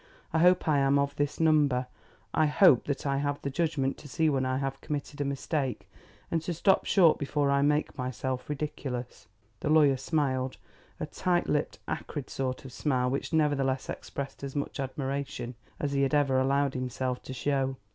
I hope I am of this number; I hope that I have the judgment to see when I have committed a mistake and to stop short before I make myself ridiculous." The lawyer smiled, a tight lipped, acrid sort of smile which nevertheless expressed as much admiration as he ever allowed himself to show.